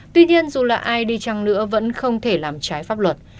tuy nhiên dù là ai đi chăng nữa vẫn không thể làm trái pháp luật